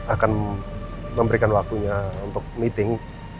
akan memberikan waktunya untuk meeting